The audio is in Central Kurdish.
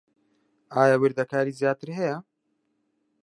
ئایا وردەکاریی زیاتر هەیە؟